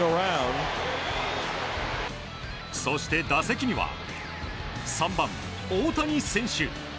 そして打席には３番、大谷選手。